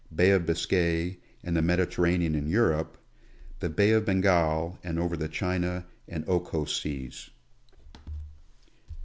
Bay of Biscay and the Mediterranean in Europe ; the Bay of Bengal, and over the China and Okhotsk seas.